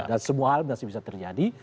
dan semua hal masih bisa terjadi